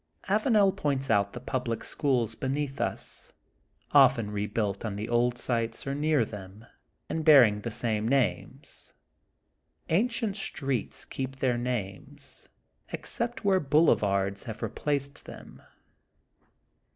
Avanel points out the public schools beneath us, often rebuilt on the old sites or near theni, and bear ing the same names. Ancient streets keep their names, except where boulevards have replaced them.